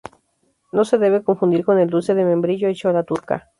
No se debe confundir con el dulce de membrillo hecho a la turca.